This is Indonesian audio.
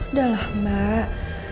udah lah mbak